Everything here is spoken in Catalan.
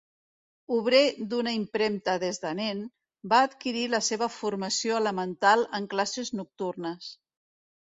Obrer d'una impremta des de nen, va adquirir la seva formació elemental en classes nocturnes.